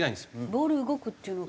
ボール動くっていうのは。